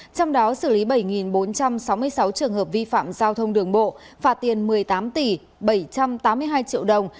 trong đó xử lý bảy bốn trăm sáu mươi sáu trường hợp vi phạm giao thông đường bộ phạt tiền một mươi tám tỷ bảy trăm tám mươi hai triệu đồng